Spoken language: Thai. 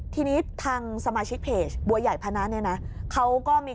ที่นี่ทางสมาชิกเผจบัวยใหญ่พนัสเวลาท่านบัวยใหญ่พนัส